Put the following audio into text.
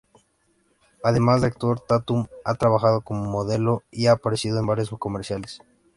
Además de actor, Tatum ha trabajado como modelo y ha aparecido en varios comerciales.